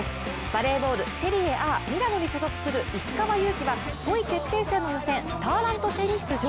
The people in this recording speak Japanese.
バレーボールセリエＡミラノに所属する石川祐希は５位決定戦の予選、ターラント戦に出場。